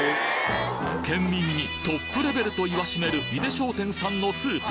県民にトップレベルと言わしめる井出商店さんのスープ。